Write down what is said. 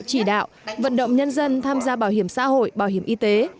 chỉ đạo vận động nhân dân tham gia bảo hiểm xã hội bảo hiểm y tế